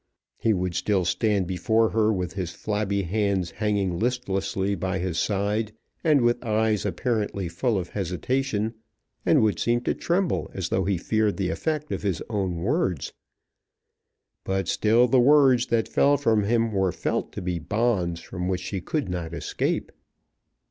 He would still stand before her with his flabby hands hanging listlessly by his side, and with eyes apparently full of hesitation, and would seem to tremble as though he feared the effect of his own words; but still the words that fell from him were felt to be bonds from which she could not escape.